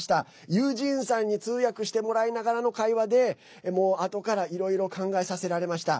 ユージンさんに通訳してもらいながらの会話であとから、いろいろ考えさせられました。